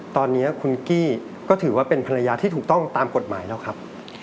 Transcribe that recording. ตอนนี้คุณกี้ก็ถือว่าเป็นภรรยาที่ถูกต้องตามกฎหมายแล้วครับ